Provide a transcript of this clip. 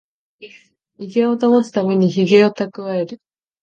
威厳を保つためにヒゲをたくわえる